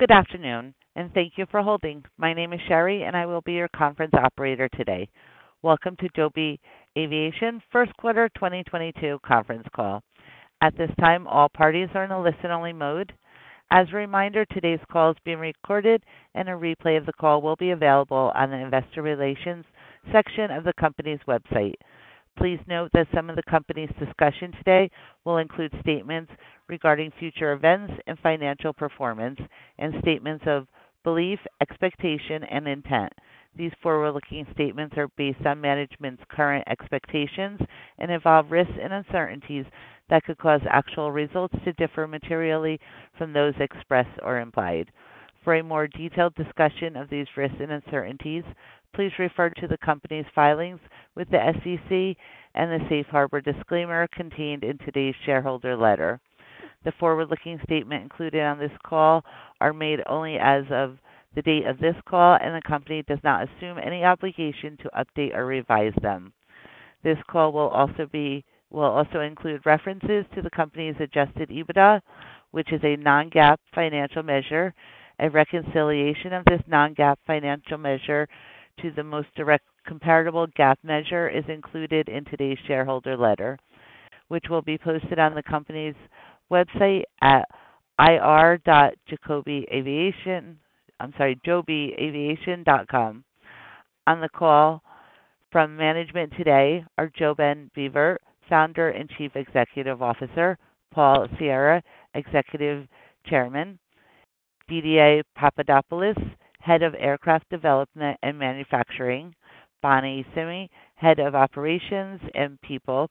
Good afternoon, and thank you for holding. My name is Sherry, and I will be your conference operator today. Welcome to Joby Aviation first quarter 2022 conference call. At this time, all parties are in a listen-only mode. As a reminder, today's call is being recorded and a replay of the call will be available on the investor relations section of the company's website. Please note that some of the company's discussion today will include statements regarding future events and financial performance and statements of belief, expectation, and intent. These forward-looking statements are based on management's current expectations and involve risks and uncertainties that could cause actual results to differ materially from those expressed or implied. For a more detailed discussion of these risks and uncertainties, please refer to the company's filings with the SEC and the safe harbor disclaimer contained in today's shareholder letter. The forward-looking statement included on this call are made only as of the date of this call, and the company does not assume any obligation to update or revise them. This call will also include references to the company's adjusted EBITDA, which is a non-GAAP financial measure. A reconciliation of this non-GAAP financial measure to the most direct comparable GAAP measure is included in today's shareholder letter, which will be posted on the company's website at jobyaviation.com. On the call from management today are JoeBen Bevirt, Founder and Chief Executive Officer, Paul Sciarra, Executive Chairman, Didier Papadopoulos, Head of Aircraft Development and Manufacturing, Bonny Simi, Head of Operations and People,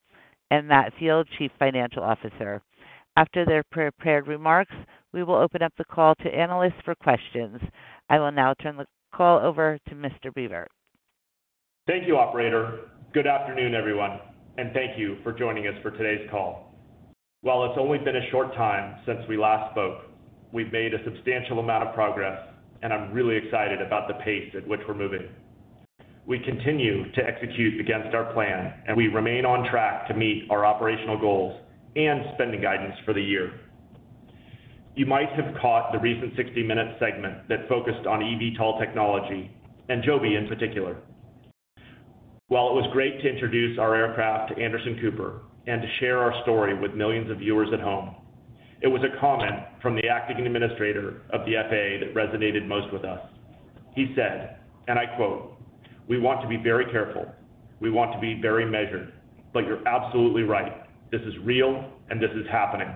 and Matt Field, Chief Financial Officer. After their prepared remarks, we will open up the call to analysts for questions. I will now turn the call over to Mr. Bevirt. Thank you, operator. Good afternoon, everyone, and thank you for joining us for today's call. While it's only been a short time since we last spoke, we've made a substantial amount of progress, and I'm really excited about the pace at which we're moving. We continue to execute against our plan, and we remain on track to meet our operational goals and spending guidance for the year. You might have caught the recent 60 Minutes segment that focused on eVTOL technology and Joby in particular. While it was great to introduce our aircraft to Anderson Cooper and to share our story with millions of viewers at home, it was a comment from the acting administrator of the FAA that resonated most with us. He said, and I quote, "We want to be very careful. We want to be very measured. But you're absolutely right. This is real, and this is happening."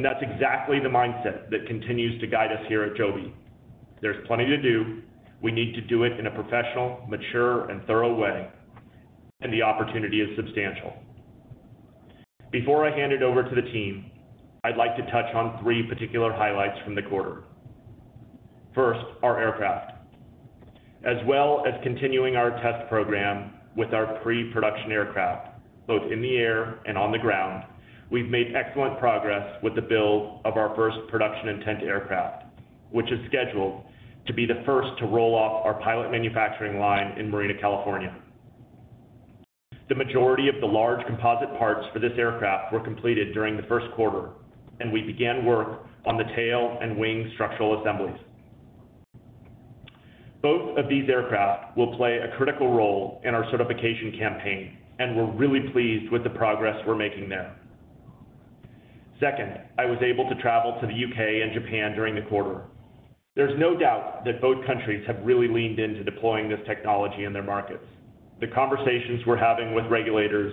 That's exactly the mindset that continues to guide us here at Joby. There's plenty to do. We need to do it in a professional, mature, and thorough way, and the opportunity is substantial. Before I hand it over to the team, I'd like to touch on three particular highlights from the quarter. First, our aircraft. As well as continuing our test program with our pre-production aircraft, both in the air and on the ground, we've made excellent progress with the build of our first production intent aircraft, which is scheduled to be the first to roll off our pilot manufacturing line in Marina, California. The majority of the large composite parts for this aircraft were completed during the first quarter, and we began work on the tail and wing structural assemblies. Both of these aircraft will play a critical role in our certification campaign, and we're really pleased with the progress we're making there. Second, I was able to travel to the U.K. and Japan during the quarter. There's no doubt that both countries have really leaned into deploying this technology in their markets. The conversations we're having with regulators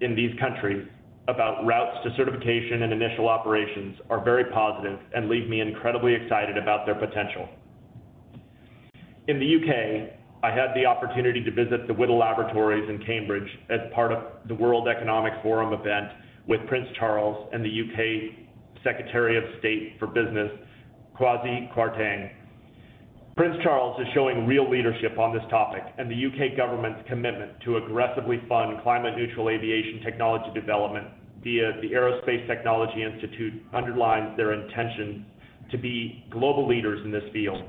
in these countries about routes to certification and initial operations are very positive and leave me incredibly excited about their potential. In the U.K., I had the opportunity to visit the Whittle Laboratory in Cambridge as part of the World Economic Forum event with Prince Charles and the U.K. Secretary of State for Business, Kwasi Kwarteng. Prince Charles is showing real leadership on this topic, and the U.K. government's commitment to aggressively fund climate neutral aviation technology development via the Aerospace Technology Institute underlines their intention to be global leaders in this field.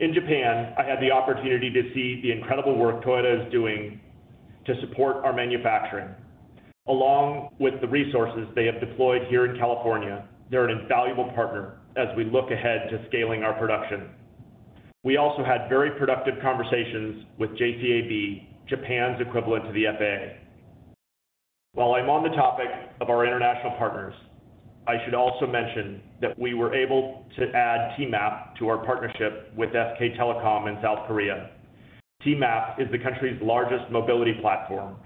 In Japan, I had the opportunity to see the incredible work Toyota is doing to support our manufacturing. Along with the resources they have deployed here in California, they're an invaluable partner as we look ahead to scaling our production. We also had very productive conversations with JCAB, Japan's equivalent to the FAA. While I'm on the topic of our international partners, I should also mention that we were able to add TMAP to our partnership with SK Telecom in South Korea. TMAP is the country's largest mobility platform,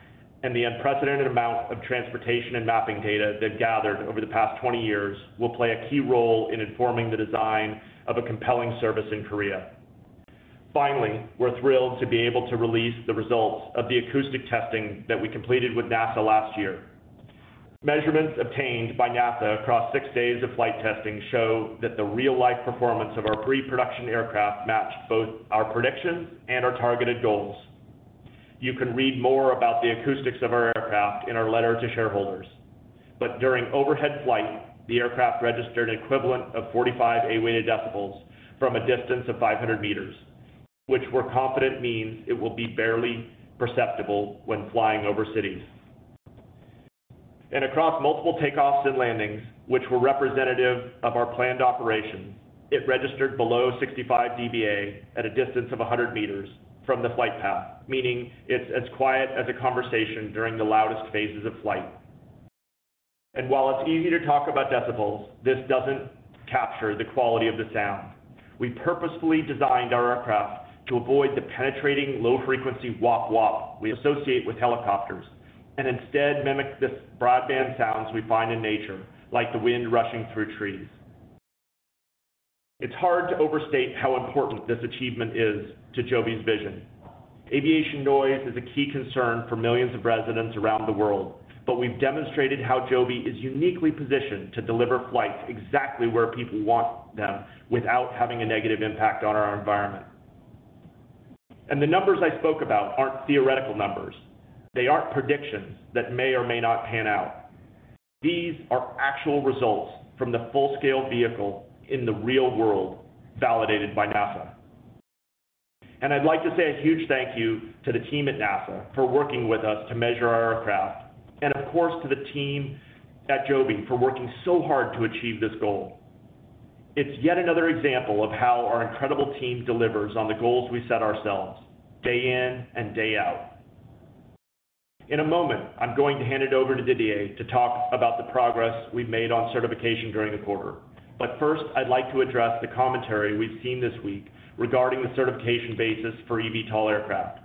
and the unprecedented amount of transportation and mapping data they've gathered over the past 20 years will play a key role in informing the design of a compelling service in Korea. Finally, we're thrilled to be able to release the results of the acoustic testing that we completed with NASA last year. Measurements obtained by NASA across six days of flight testing show that the real-life performance of our pre-production aircraft matched both our predictions and our targeted goals. You can read more about the acoustics of our aircraft in our letter to shareholders. During overhead flight, the aircraft registered an equivalent of 45 A-weighted decibels from a distance of 500 meters, which we're confident means it will be barely perceptible when flying over cities. Across multiple takeoffs and landings, which were representative of our planned operations, it registered below 65 dBA at a distance of 100 meters from the flight path, meaning it's as quiet as a conversation during the loudest phases of flight. While it's easy to talk about decibels, this doesn't capture the quality of the sound. We purposefully designed our aircraft to avoid the penetrating low-frequency wap wap we associate with helicopters, and instead mimic the broadband sounds we find in nature, like the wind rushing through trees. It's hard to overstate how important this achievement is to Joby's vision. Aviation noise is a key concern for millions of residents around the world, but we've demonstrated how Joby is uniquely positioned to deliver flights exactly where people want them without having a negative impact on our environment. The numbers I spoke about aren't theoretical numbers. They aren't predictions that may or may not pan out. These are actual results from the full-scale vehicle in the real world, validated by NASA. I'd like to say a huge thank you to the team at NASA for working with us to measure our aircraft, and of course to the team at Joby for working so hard to achieve this goal. It's yet another example of how our incredible team delivers on the goals we set ourselves day in and day out. In a moment, I'm going to hand it over to Didier to talk about the progress we've made on certification during the quarter. First, I'd like to address the commentary we've seen this week regarding the certification basis for eVTOL aircraft.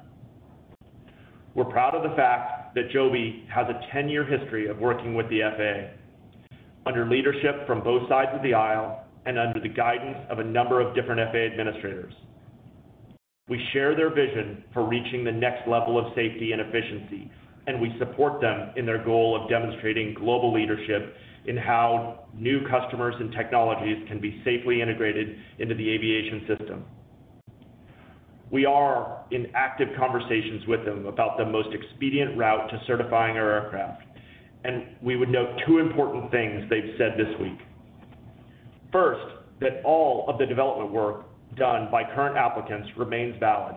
We're proud of the fact that Joby has a 10-year history of working with the FAA under leadership from both sides of the aisle and under the guidance of a number of different FAA administrators. We share their vision for reaching the next level of safety and efficiency, and we support them in their goal of demonstrating global leadership in how new customers and technologies can be safely integrated into the aviation system. We are in active conversations with them about the most expedient route to certifying our aircraft, and we would note two important things they've said this week. First, that all of the development work done by current applicants remains valid.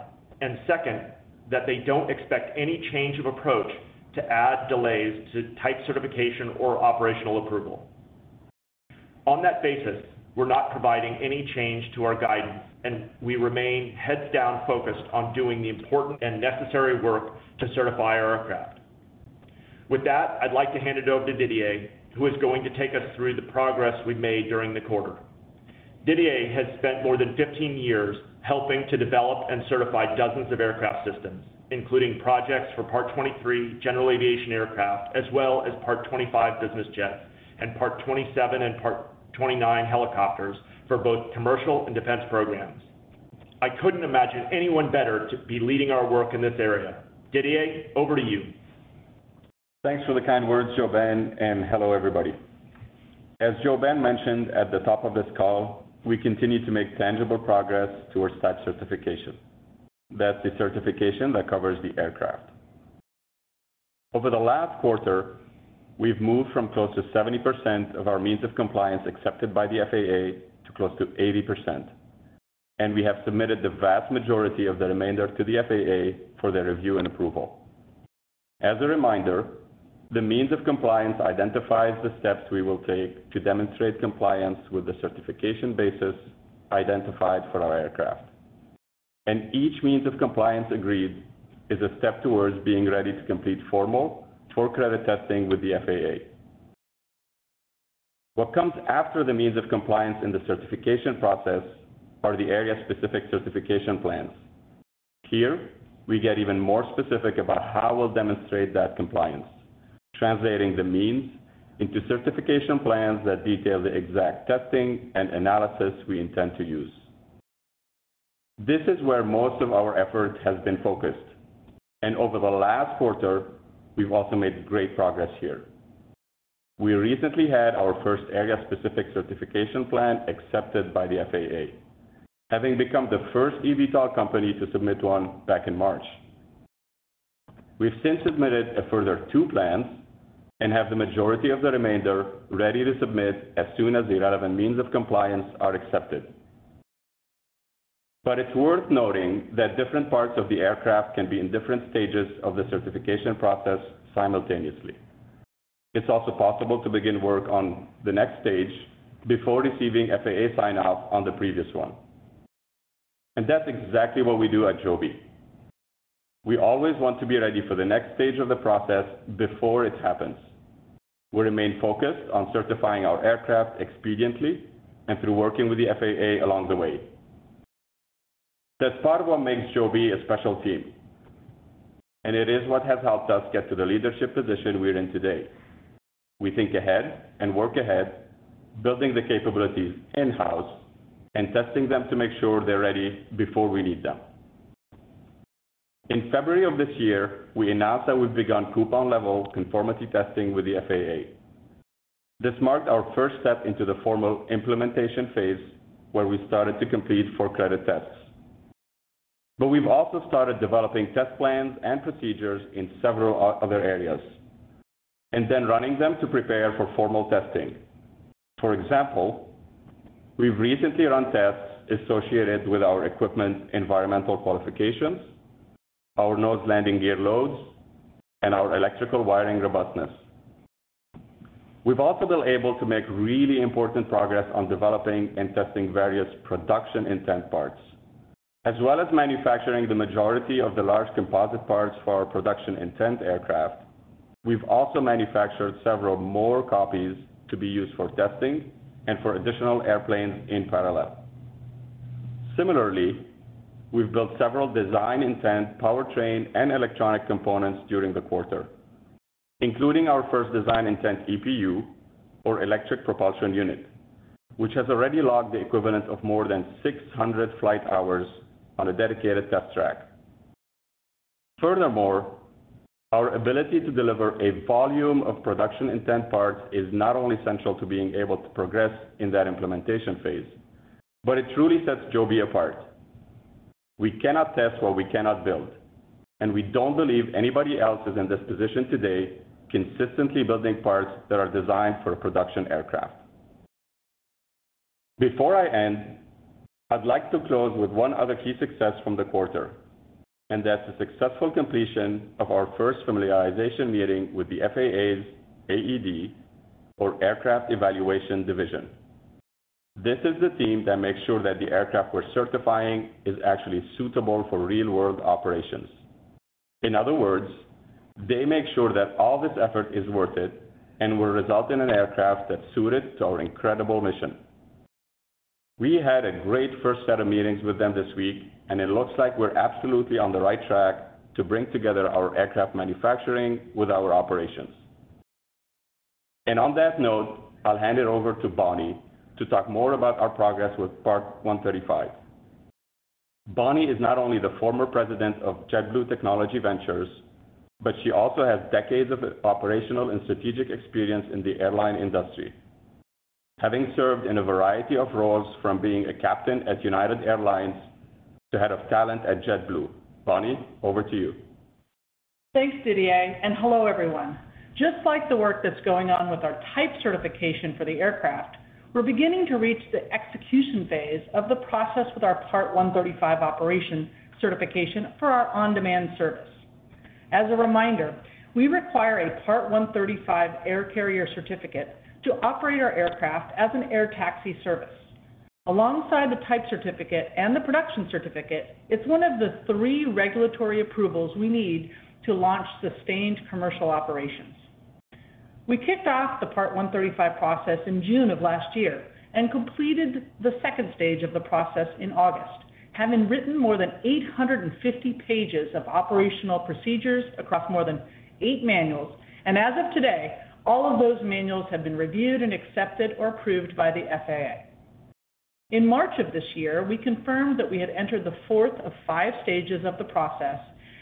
Second, that they don't expect any change of approach to add delays to type certification or operational approval. On that basis, we're not providing any change to our guidance, and we remain heads down focused on doing the important and necessary work to certify our aircraft. With that, I'd like to hand it over to Didier, who is going to take us through the progress we've made during the quarter. Didier has spent more than 15 years helping to develop and certify dozens of aircraft systems, including projects for Part 23 General Aviation aircraft, as well as Part 25 business jets, and Part 27 and Part 29 helicopters for both commercial and defense programs. I couldn't imagine anyone better to be leading our work in this area. Didier, over to you. Thanks for the kind words, JoeBen, and hello, everybody. As JoeBen mentioned at the top of this call, we continue to make tangible progress towards type certification. That's the certification that covers the aircraft. Over the last quarter, we've moved from close to 70% of our means of compliance accepted by the FAA to close to 80%, and we have submitted the vast majority of the remainder to the FAA for their review and approval. As a reminder, the means of compliance identifies the steps we will take to demonstrate compliance with the certification basis identified for our aircraft. Each means of compliance agreed is a step towards being ready to complete formal four-credit testing with the FAA. What comes after the means of compliance in the certification process are the area-specific certification plans. Here we get even more specific about how we'll demonstrate that compliance, translating the means into certification plans that detail the exact testing and analysis we intend to use. This is where most of our effort has been focused, and over the last quarter, we've also made great progress here. We recently had our first area-specific certification plan accepted by the FAA, having become the first eVTOL company to submit one back in March. We've since submitted a further two plans and have the majority of the remainder ready to submit as soon as the relevant means of compliance are accepted. It's worth noting that different parts of the aircraft can be in different stages of the certification process simultaneously. It's also possible to begin work on the next stage before receiving FAA sign-off on the previous one. That's exactly what we do at Joby. We always want to be ready for the next stage of the process before it happens. We remain focused on certifying our aircraft expediently and through working with the FAA along the way. That's part of what makes Joby a special team, and it is what has helped us get to the leadership position we're in today. We think ahead and work ahead, building the capabilities in-house and testing them to make sure they're ready before we need them. In February of this year, we announced that we've begun coupon-level conformity testing with the FAA. This marked our first step into the formal implementation phase where we started to complete four credit tests. We've also started developing test plans and procedures in several other areas, and then running them to prepare for formal testing. For example, we've recently run tests associated with our equipment environmental qualifications, our nose landing gear loads, and our electrical wiring robustness. We've also been able to make really important progress on developing and testing various production intent parts. As well as manufacturing the majority of the large composite parts for our production intent aircraft, we've also manufactured several more copies to be used for testing and for additional airplanes in parallel. Similarly, we've built several design intent powertrain and electronic components during the quarter, including our first design intent EPU or Electric Propulsion Unit, which has already logged the equivalent of more than 600 flight hours on a dedicated test track. Furthermore, our ability to deliver a volume of production intent parts is not only central to being able to progress in that implementation phase, but it truly sets Joby apart. We cannot test what we cannot build, and we don't believe anybody else is in this position today, consistently building parts that are designed for a production aircraft. Before I end, I'd like to close with one other key success from the quarter, and that's the successful completion of our first familiarization meeting with the FAA's AED or Aircraft Evaluation Division. This is the team that makes sure that the aircraft we're certifying is actually suitable for real-world operations. In other words, they make sure that all this effort is worth it and will result in an aircraft that's suited to our incredible mission. We had a great first set of meetings with them this week, and it looks like we're absolutely on the right track to bring together our aircraft manufacturing with our operations. On that note, I'll hand it over to Bonny to talk more about our progress with Part 135. Bonny is not only the former president of JetBlue Technology Ventures, but she also has decades of operational and strategic experience in the airline industry, having served in a variety of roles from being a captain at United Airlines to head of talent at JetBlue. Bonnie, over to you. Thanks, Didier, and hello, everyone. Just like the work that's going on with our type certification for the aircraft, we're beginning to reach the execution phase of the process with our Part 135 operation certification for our on-demand service. As a reminder, we require a Part 135 air carrier certificate to operate our aircraft as an air taxi service. Alongside the type certificate and the production certificate, it's one of the three regulatory approvals we need to launch sustained commercial operations. We kicked off the Part 135 process in June of last year and completed the second stage of the process in August, having written more than 850 pages of operational procedures across more than eight manuals. As of today, all of those manuals have been reviewed and accepted or approved by the FAA. In March of this year, we confirmed that we had entered the fourth of five stages of the process,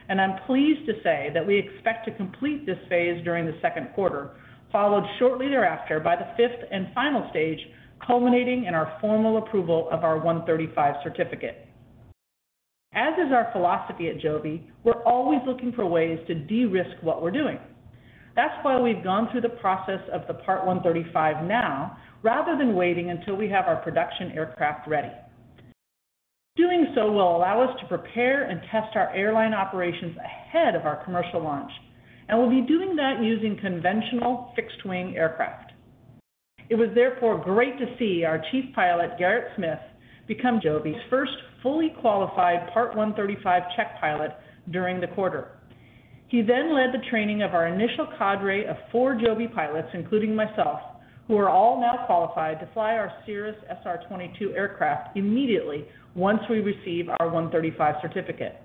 and I'm pleased to say that we expect to complete this phase during the second quarter, followed shortly thereafter by the fifth and final stage, culminating in our formal approval of our Part 135 certificate. As is our philosophy at Joby, we're always looking for ways to de-risk what we're doing. That's why we've gone through the process of the Part 135 now, rather than waiting until we have our production aircraft ready. Doing so will allow us to prepare and test our airline operations ahead of our commercial launch, and we'll be doing that using conventional fixed-wing aircraft. It was therefore great to see our Chief Pilot, Garrett Smith, become Joby's first fully qualified Part 135 check pilot during the quarter. He then led the training of our initial cadre of four Joby pilots, including myself, who are all now qualified to fly our Cirrus SR22 aircraft immediately once we receive our Part 135 certificate.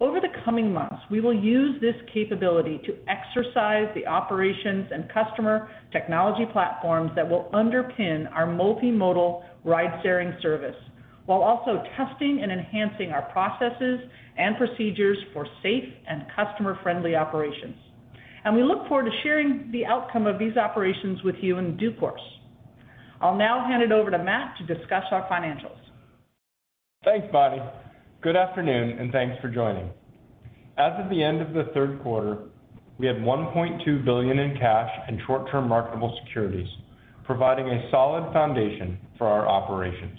Over the coming months, we will use this capability to exercise the operations and customer technology platforms that will underpin our multimodal ride-sharing service, while also testing and enhancing our processes and procedures for safe and customer-friendly operations. We look forward to sharing the outcome of these operations with you in due course. I'll now hand it over to Matt to discuss our financials. Thanks, Bonny. Good afternoon, and thanks for joining. As of the end of the third quarter, we had $1.2 billion in cash and short-term marketable securities, providing a solid foundation for our operations.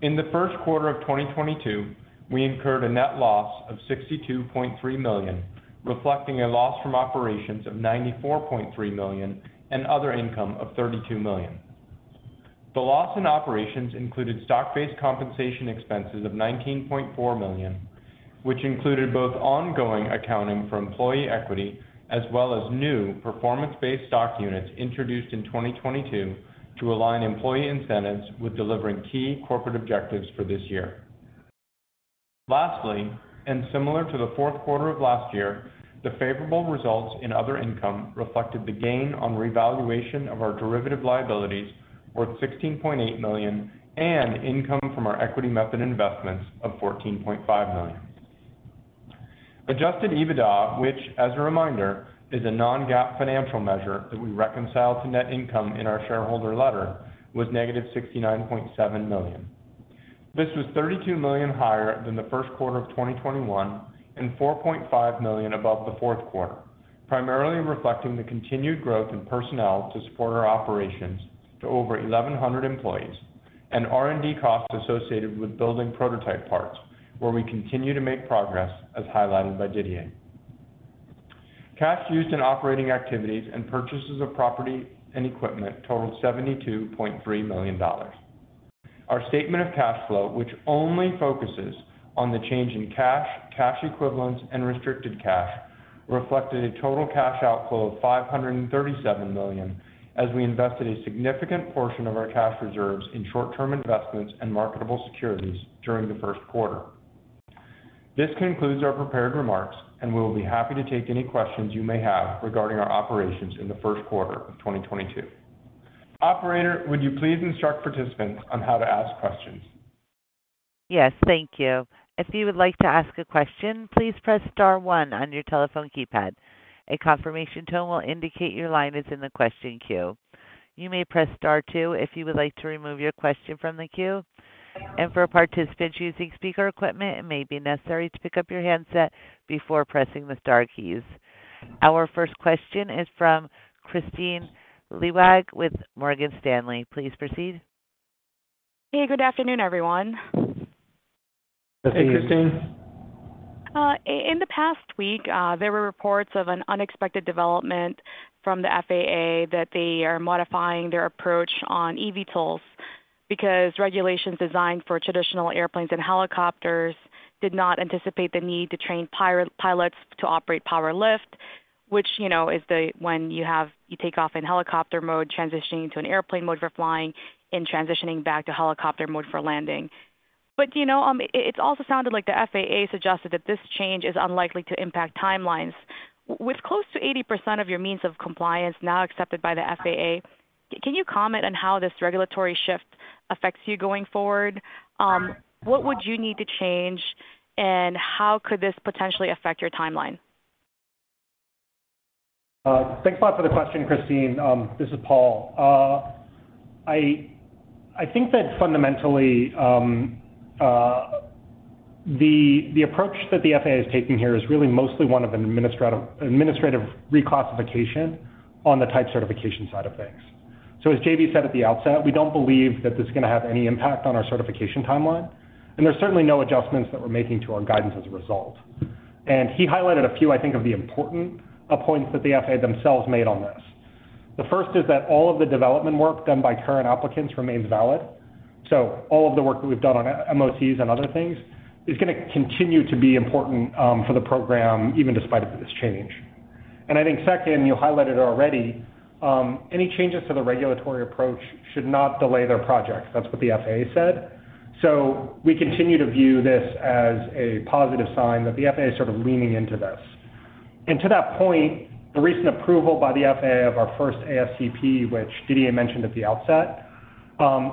In the first quarter of 2022, we incurred a net loss of $62.3 million, reflecting a loss from operations of $94.3 million and other income of $32 million. The loss in operations included stock-based compensation expenses of $19.4 million, which included both ongoing accounting for employee equity as well as new performance-based stock units introduced in 2022 to align employee incentives with delivering key corporate objectives for this year. Lastly, and similar to the fourth quarter of last year, the favorable results in other income reflected the gain on revaluation of our derivative liabilities worth $16.8 million and income from our equity method investments of $14.5 million. Adjusted EBITDA, which as a reminder, is a non-GAAP financial measure that we reconcile to net income in our shareholder letter was negative $69.7 million. This was $32 million higher than the first quarter of 2021 and $4.5 million above the fourth quarter, primarily reflecting the continued growth in personnel to support our operations to over 1,100 employees and R&D costs associated with building prototype parts, where we continue to make progress, as highlighted by Didier. Cash used in operating activities and purchases of property and equipment totaled $72.3 million. Our statement of cash flow, which only focuses on the change in cash equivalents, and restricted cash, reflected a total cash outflow of $537 million as we invested a significant portion of our cash reserves in short-term investments and marketable securities during the first quarter. This concludes our prepared remarks, and we will be happy to take any questions you may have regarding our operations in the first quarter of 2022. Operator, would you please instruct participants on how to ask questions? Yes, thank you. If you would like to ask a question, please press star one on your telephone keypad. A confirmation tone will indicate your line is in the question queue. You may press star two if you would like to remove your question from the queue. For participants using speaker equipment, it may be necessary to pick up your handset before pressing the star keys. Our first question is from Kristine Liwag with Morgan Stanley. Please proceed. Hey, good afternoon, everyone. Hey, Kristine. In the past week, there were reports of an unexpected development from the FAA that they are modifying their approach on eVTOLs because regulations designed for traditional airplanes and helicopters did not anticipate the need to train pilots to operate powered-lift, which, you know, is when you take off in helicopter mode, transitioning to an airplane mode for flying and transitioning back to helicopter mode for landing. But, you know, it's also sounded like the FAA suggested that this change is unlikely to impact timelines. With close to 80% of your means of compliance now accepted by the FAA, can you comment on how this regulatory shift affects you going forward? What would you need to change, and how could this potentially affect your timeline? Thanks a lot for the question, Kristine. This is Paul. I think that fundamentally, the approach that the FAA is taking here is really mostly one of an administrative reclassification on the type certification side of things. As JB said at the outset, we don't believe that this is going to have any impact on our certification timeline, and there's certainly no adjustments that we're making to our guidance as a result. He highlighted a few, I think, of the important points that the FAA themselves made on this. The first is that all of the development work done by current applicants remains valid. All of the work that we've done on MOCs and other things is going to continue to be important for the program, even despite this change. I think second, you highlighted already, any changes to the regulatory approach should not delay their projects. That's what the FAA said. We continue to view this as a positive sign that the FAA is sort of leaning into this. To that point, the recent approval by the FAA of our first ASCP, which Didier mentioned at the outset,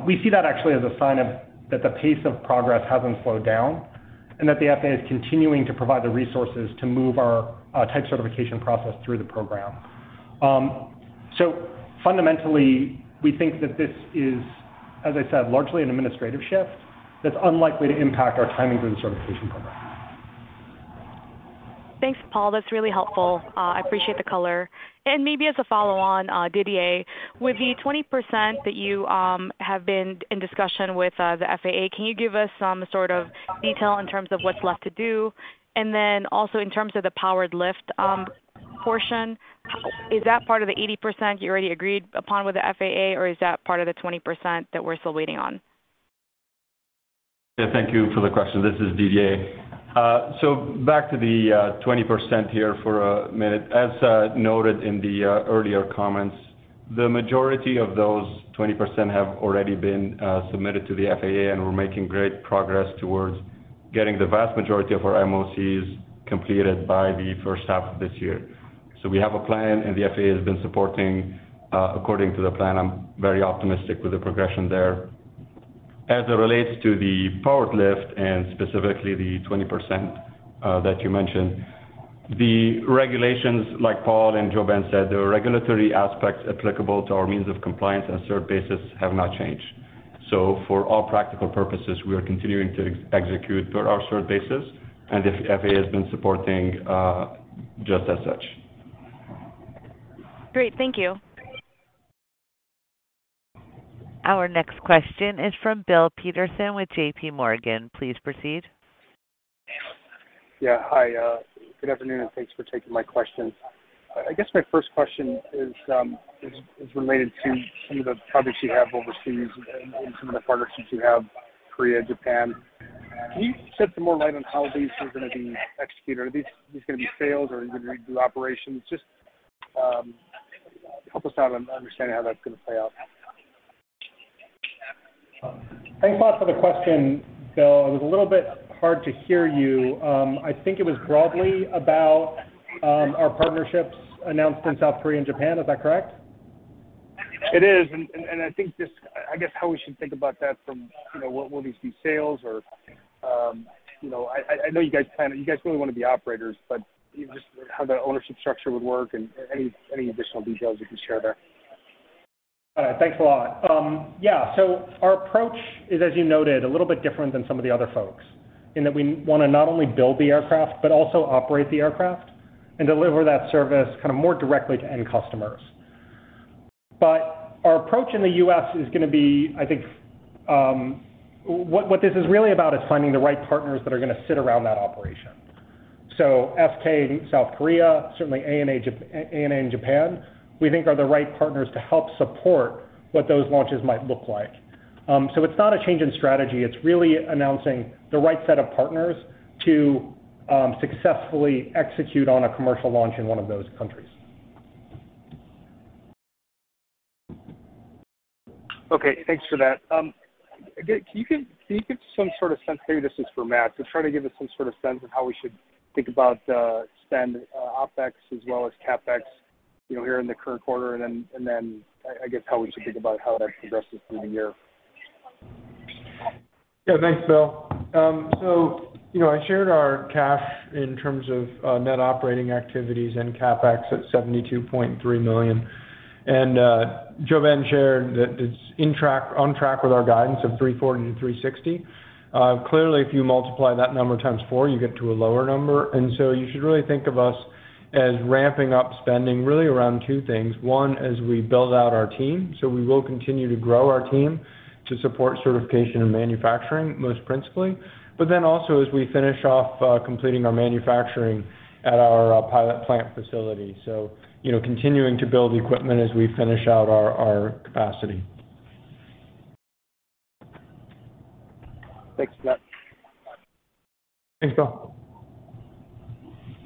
we see that actually as a sign of that the pace of progress hasn't slowed down and that the FAA is continuing to provide the resources to move our type certification process through the program. Fundamentally, we think that this is, as I said, largely an administrative shift that's unlikely to impact our timing for the certification program. Thanks, Paul. That's really helpful. I appreciate the color. Maybe as a follow on, Didier, with the 20% that you have been in discussion with the FAA, can you give us some sort of detail in terms of what's left to do? Then also in terms of the powered-lift portion, is that part of the 80% you already agreed upon with the FAA, or is that part of the 20% that we're still waiting on? Yeah. Thank you for the question. This is Didier. Back to the 20% here for a minute. As noted in the earlier comments, the majority of those 20% have already been submitted to the FAA, and we're making great progress towards getting the vast majority of our MOCs completed by the first half of this year. We have a plan, and the FAA has been supporting according to the plan. I'm very optimistic with the progression there. As it relates to the powered-lift and specifically the 20% that you mentioned, the regulations like Paul and JoeBen said, the regulatory aspects applicable to our means of compliance and cert basis have not changed. For all practical purposes, we are continuing to execute per our cert basis, and the FAA has been supporting just as such. Great. Thank you. Our next question is from Bill Peterson with JPMorgan. Please proceed. Yeah. Hi. Good afternoon, and thanks for taking my questions. I guess my first question is related to some of the projects you have overseas and some of the partnerships you have, Korea, Japan. Can you shed some more light on how these are going to be executed? Are these going to be sales or are you going to do operations? Just help us out on understanding how that's going to play out. Thanks a lot for the question, Bill. It was a little bit hard to hear you. I think it was broadly about, our partnerships announced in South Korea and Japan. Is that correct? It is. I think just, I guess how we should think about that from, you know, will these be sales or, you know, I know you guys really want to be operators, but just how the ownership structure would work and any additional details you can share there. All right, thanks a lot. Yeah, our approach is, as you noted, a little bit different than some of the other folks in that we wanna not only build the aircraft but also operate the aircraft and deliver that service kind of more directly to end customers. Our approach in the U.S. is gonna be, I think, what this is really about is finding the right partners that are gonna sit around that operation. SK South Korea, certainly ANA in Japan, we think are the right partners to help support what those launches might look like. It's not a change in strategy, it's really announcing the right set of partners to successfully execute on a commercial launch in one of those countries. Okay, thanks for that. Again, can you give some sort of sense, maybe this is for Matt, just try to give us some sort of sense of how we should think about spend, OpEx as well as CapEx, you know, here in the current quarter, and then I guess how we should think about how that progresses through the year. Yeah. Thanks, Bill. So, you know, I shared our cash in terms of net operating activities and CapEx at $72.3 million. JoeBen shared that it's on track with our guidance of $340-$360. Clearly, if you multiply that number times four, you get to a lower number. You should really think of us as ramping up spending really around two things. One, as we build out our team, so we will continue to grow our team to support certification and manufacturing, most principally. Then also as we finish off completing our manufacturing at our pilot plant facility. You know, continuing to build equipment as we finish out our capacity. Thanks, Matt. Thanks, Bill.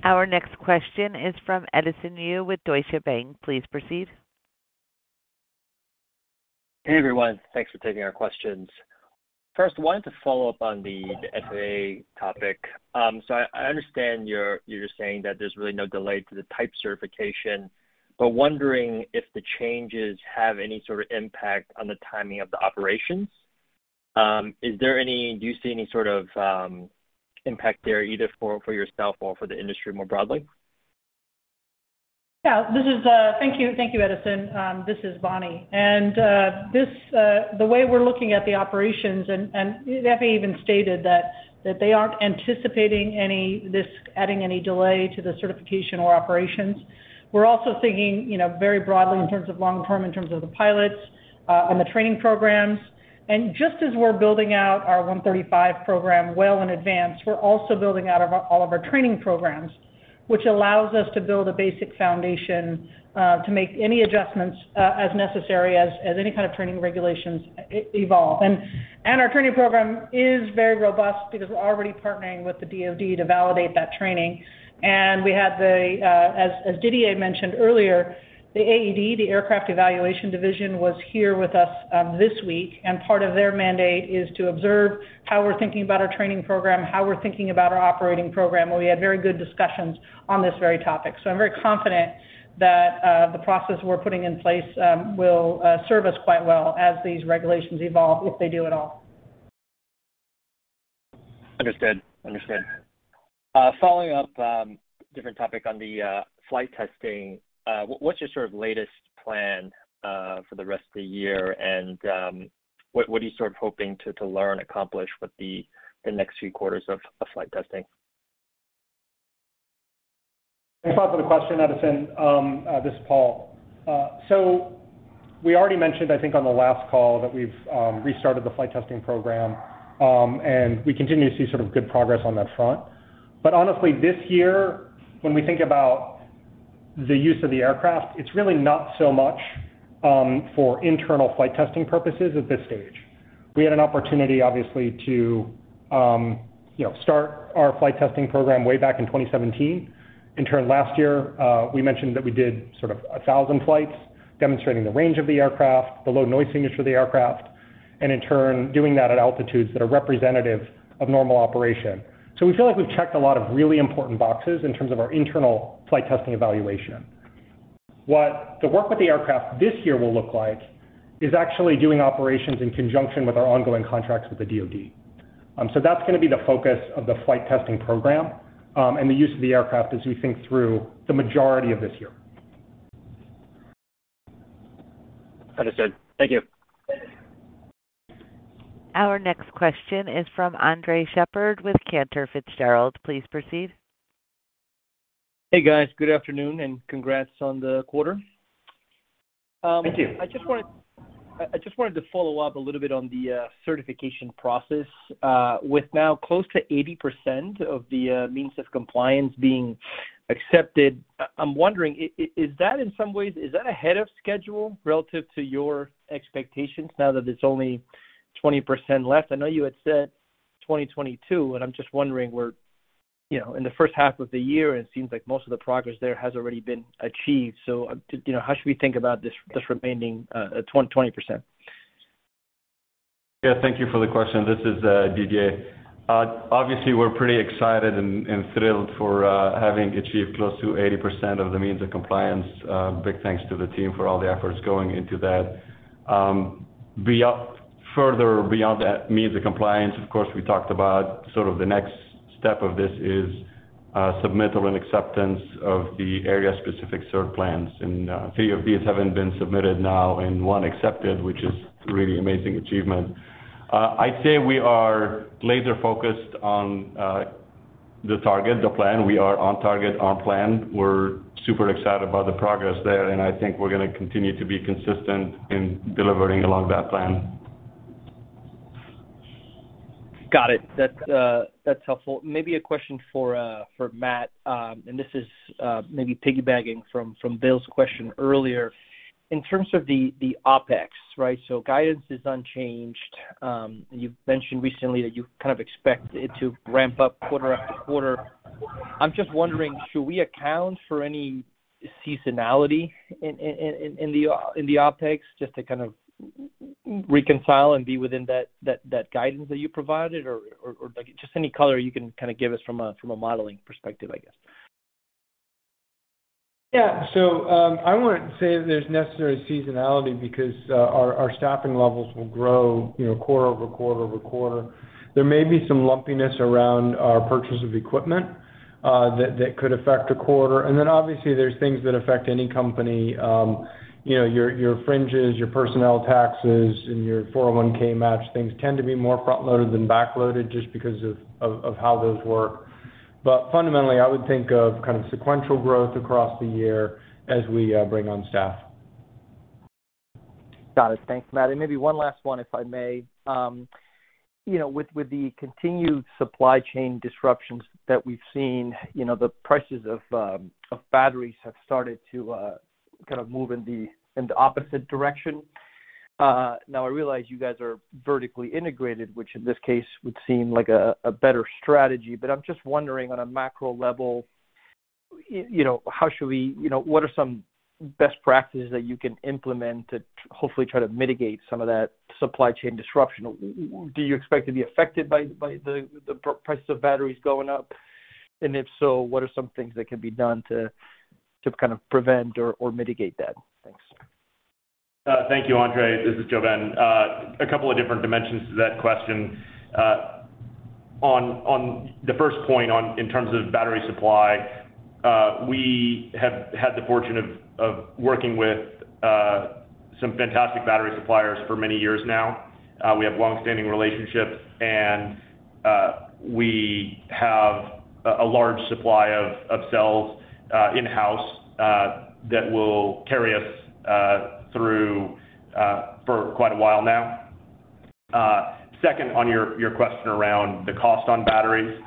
Our next question is from Edison Yu with Deutsche Bank. Please proceed. Hey, everyone. Thanks for taking our questions. First, wanted to follow up on the FAA topic. I understand you're just saying that there's really no delay to the type certification, but wondering if the changes have any sort of impact on the timing of the operations. Do you see any sort of impact there either for yourself or for the industry more broadly? Yeah. This is. Thank you. Thank you, Edison. This is Bonny. The way we're looking at the operations and the FAA even stated that they aren't anticipating any delay to the certification or operations. We're also thinking, you know, very broadly in terms of long term, in terms of the pilots and the training programs. Just as we're building out our 135 program well in advance, we're also building out all of our training programs, which allows us to build a basic foundation to make any adjustments as necessary as any kind of training regulations evolve. Our training program is very robust because we're already partnering with the DoD to validate that training. We had, as Didier mentioned earlier, the AED, the Aircraft Evaluation Division, here with us this week, and part of their mandate is to observe how we're thinking about our training program, how we're thinking about our operating program, where we had very good discussions on this very topic. I'm very confident that the process we're putting in place will serve us quite well as these regulations evolve, if they do at all. Understood. Following up, different topic on the flight testing, what's your sort of latest plan for the rest of the year? What are you sort of hoping to learn, accomplish with the next few quarters of flight testing? Thanks a lot for the question, Edison. This is Paul. We already mentioned, I think on the last call, that we've restarted the flight testing program, and we continue to see sort of good progress on that front. Honestly, this year, when we think about the use of the aircraft, it's really not so much for internal flight testing purposes at this stage. We had an opportunity, obviously, to you know, start our flight testing program way back in 2017. Last year, we mentioned that we did sort of 1,000 flights demonstrating the range of the aircraft, the low noise signature of the aircraft, and doing that at altitudes that are representative of normal operation. We feel like we've checked a lot of really important boxes in terms of our internal flight testing evaluation. What the work with the aircraft this year will look like is actually doing operations in conjunction with our ongoing contracts with the DoD. That's gonna be the focus of the flight testing program, and the use of the aircraft as we think through the majority of this year. Understood. Thank you. Our next question is from Andres Sheppard with Cantor Fitzgerald. Please proceed. Hey, guys. Good afternoon and congrats on the quarter. Thank you. I just wanted to follow up a little bit on the certification process. With now close to 80% of the means of compliance being accepted, I'm wondering is that in some ways ahead of schedule relative to your expectations now that it's only 20% left? I know you had said 2022, and I'm just wondering where, you know, in the first half of the year, and it seems like most of the progress there has already been achieved. You know, how should we think about this remaining 20%? Yeah. Thank you for the question. This is Didier. Obviously, we're pretty excited and thrilled for having achieved close to 80% of the means of compliance. Big thanks to the team for all the efforts going into that. Beyond that, the means of compliance. Of course, we talked about sort of the next step of this is submittal and acceptance of the area-specific cert plans, and three of these have been submitted now and one accepted, which is a really amazing achievement. I'd say we are laser focused on the target, the plan. We are on target, on plan. We're super excited about the progress there, and I think we're gonna continue to be consistent in delivering along that plan. Got it. That's helpful. Maybe a question for Matt, and this is maybe piggybacking from Bill's question earlier. In terms of the OpEx, right? Guidance is unchanged. You've mentioned recently that you kind of expect it to ramp up quarter after quarter. I'm just wondering, should we account for any seasonality in the OpEx just to kind of reconcile and be within that guidance that you provided or like just any color you can kind of give us from a modeling perspective, I guess. Yeah. I wouldn't say there's necessarily seasonality because our staffing levels will grow, you know, quarter over quarter over quarter. There may be some lumpiness around our purchase of equipment that could affect a quarter. Obviously there's things that affect any company, you know, your fringes, your personnel taxes, and your 401(k) match. Things tend to be more front-loaded than back-loaded just because of how those work. Fundamentally, I would think of kind of sequential growth across the year as we bring on staff. Got it. Thanks, Matt. Maybe one last one, if I may. You know, with the continued supply chain disruptions that we've seen, you know, the prices of batteries have started to kind of move in the opposite direction. Now I realize you guys are vertically integrated, which in this case would seem like a better strategy. I'm just wondering on a macro level, you know, what are some best practices that you can implement to hopefully try to mitigate some of that supply chain disruption. Do you expect to be affected by the prices of batteries going up? And if so, what are some things that can be done to kind of prevent or mitigate that? Thanks. Thank you, Andres. This is JoeBen. A couple of different dimensions to that question. On the first point in terms of battery supply, we have had the fortune of working with some fantastic battery suppliers for many years now. We have long-standing relationships, and we have a large supply of cells in-house that will carry us through for quite a while now. Second, on your question around the cost on batteries,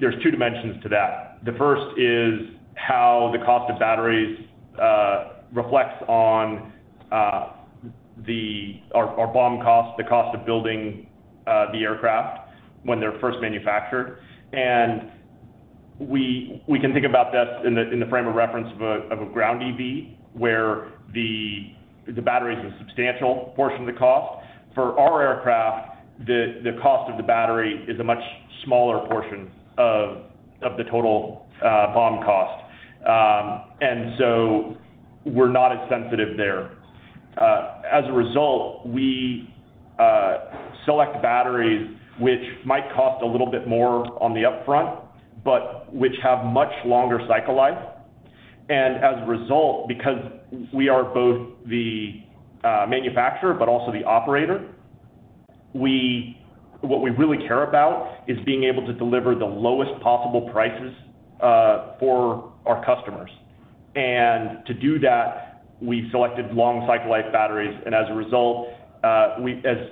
there's two dimensions to that. The first is how the cost of batteries reflects on our BOM cost, the cost of building the aircraft when they're first manufactured. We can think about that in the frame of reference of a ground EV, where the battery is a substantial portion of the cost. For our aircraft, the cost of the battery is a much smaller portion of the total BOM cost. We're not as sensitive there. As a result, we select batteries which might cost a little bit more on the upfront, but which have much longer cycle life. As a result, because we are both the manufacturer but also the operator, what we really care about is being able to deliver the lowest possible prices for our customers. To do that, we've selected long cycle life batteries. As a result, as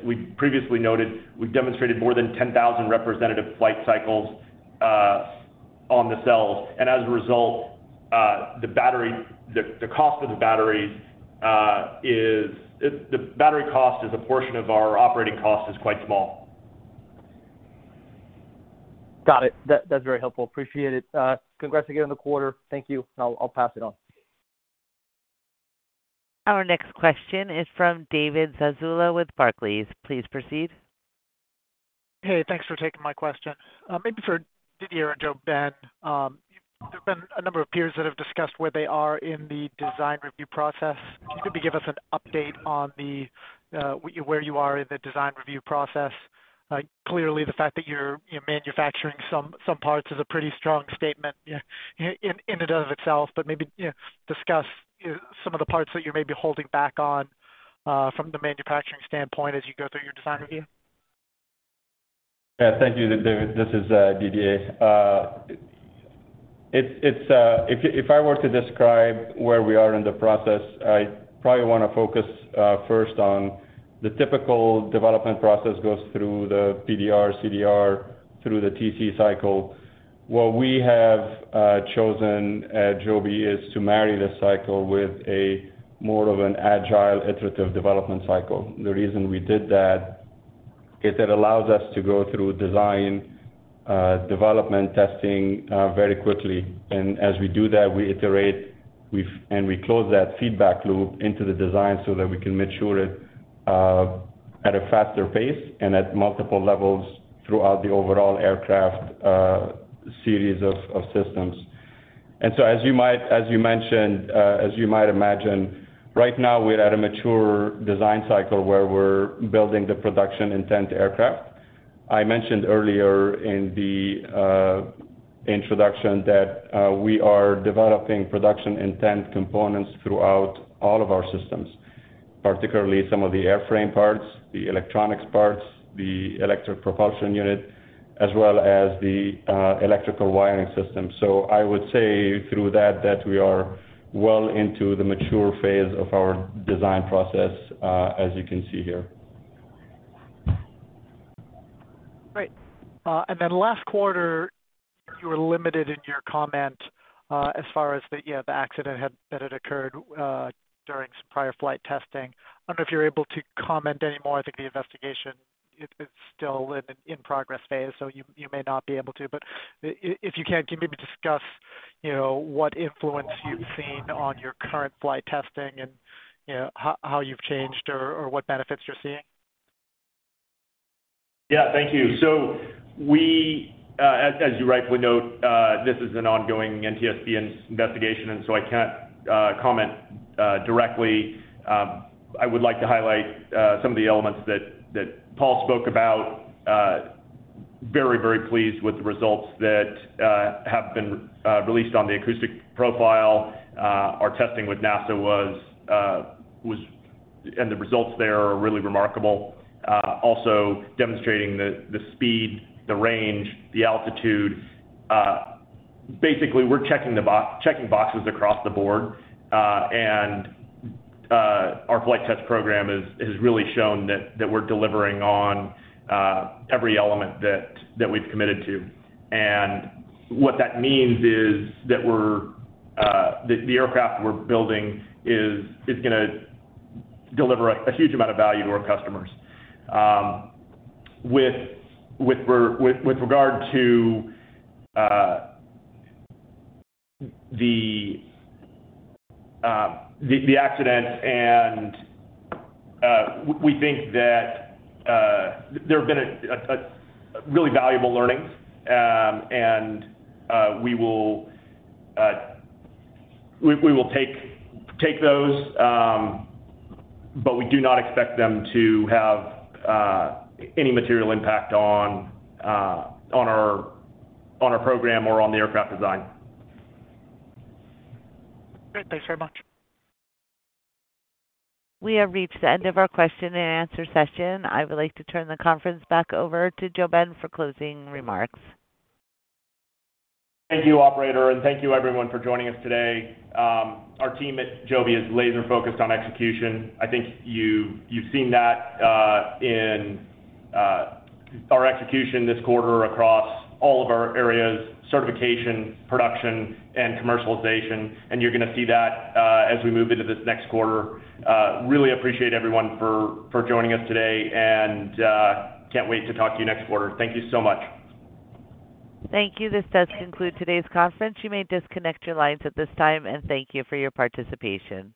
we previously noted, we've demonstrated more than 10,000 representative flight cycles on the cells. The battery cost as a portion of our operating cost is quite small. Got it. That, that's very helpful. Appreciate it. Congrats again on the quarter. Thank you. I'll pass it on. Our next question is from David Zazula with Barclays. Please proceed. Hey, thanks for taking my question. Maybe for Didier and JoeBen. There've been a number of peers that have discussed where they are in the design review process. Could you maybe give us an update on where you are in the design review process? Clearly, the fact that you're manufacturing some parts is a pretty strong statement in and of itself, but maybe, you know, discuss some of the parts that you may be holding back on from the manufacturing standpoint as you go through your design review. Thank you, David. This is Didier. It's if I were to describe where we are in the process, I probably wanna focus first on the typical development process goes through the PDR, CDR, through the TC cycle. What we have chosen at Joby is to marry this cycle with a more of an agile iterative development cycle. The reason we did that is it allows us to go through design, development testing very quickly. As we do that, we iterate with, and we close that feedback loop into the design so that we can make sure it at a faster pace and at multiple levels throughout the overall aircraft series of systems. As you mentioned, as you might imagine, right now we're at a mature design cycle where we're building the production intent aircraft. I mentioned earlier in the introduction that we are developing production intent components throughout all of our systems, particularly some of the airframe parts, the electronics parts, the Electric Propulsion Unit, as well as the electrical wiring system. I would say through that we are well into the mature phase of our design process, as you can see here. Great. Last quarter, you were limited in your comment as far as the accident that had occurred during some prior flight testing. I don't know if you're able to comment anymore. I think the investigation is still in progress phase, so you may not be able to. If you can you maybe discuss what influence you've seen on your current flight testing and how you've changed or what benefits you're seeing? Yeah, thank you. We, as you rightfully note, this is an ongoing NTSB investigation, and so I can't comment directly. I would like to highlight some of the elements that Paul spoke about. Very, very pleased with the results that have been released on the acoustic profile. Our testing with NASA and the results there are really remarkable. Also demonstrating the speed, the range, the altitude. Basically, we're checking boxes across the board, and our flight test program has really shown that we're delivering on every element that we've committed to. What that means is that the aircraft we're building is gonna deliver a huge amount of value to our customers. With regard to the accident and we think that there have been a really valuable learnings and we will take those but we do not expect them to have any material impact on our program or on the aircraft design. Great. Thanks very much. We have reached the end of our question and answer session. I would like to turn the conference back over to JoeBen for closing remarks. Thank you, operator, and thank you everyone for joining us today. Our team at Joby is laser focused on execution. I think you've seen that in our execution this quarter across all of our areas, certification, production, and commercialization. You're gonna see that as we move into this next quarter. Really appreciate everyone for joining us today, and can't wait to talk to you next quarter. Thank you so much. Thank you. This does conclude today's conference. You may disconnect your lines at this time, and thank you for your participation.